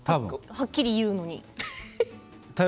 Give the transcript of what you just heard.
はっきり言うのに？